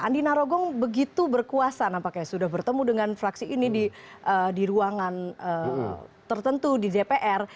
andi narogong begitu berkuasa nampaknya sudah bertemu dengan fraksi ini di ruangan tertentu di dpr